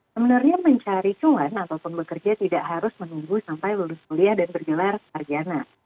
sebenarnya mencari cuan ataupun bekerja tidak harus menunggu sampai lulus kuliah dan bergelar sarjana